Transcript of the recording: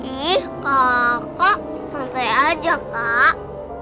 ih kakak santai aja kak